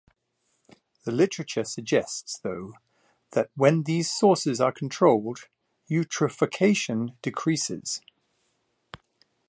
The literature suggests, though, that when these sources are controlled, eutrophication decreases.